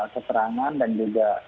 keterangan dan juga